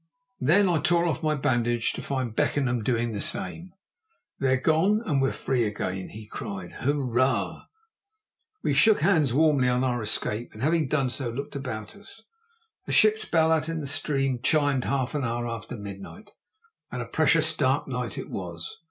Then I tore off my bandage, to find Beckenham doing the same. "They're gone, and we're free again," he cried. "Hurrah!" We shook hands warmly on our escape, and having done so looked about us. A ship's bell out in the stream chimed half an hour after midnight, and a precious dark night it was.